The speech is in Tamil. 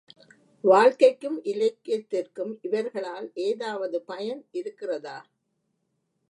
வாழ்க்கைக்கும் இலக்கியத்திற்கும் இவர்களால் ஏதாவது பயன் இருக்கிறதா?